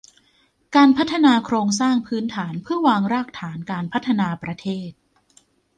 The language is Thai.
การพัฒนาโครงสร้างพื้นฐานเพื่อวางรากฐานการพัฒนาประเทศ